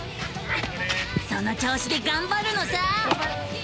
その調子でがんばるのさ！